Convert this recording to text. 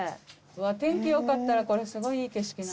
天気よかったらこれすごいいい景色。